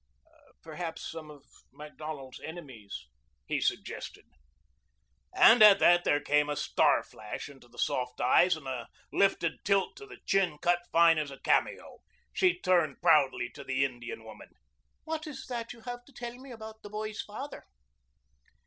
"Perhaps some of Macdonald's enemies," he suggested. And at that there came a star flash into the soft eyes and a lifted tilt to the chin cut fine as a cameo. She turned proudly to the Indian woman. "What is it that you have to tell me about this boy's father?"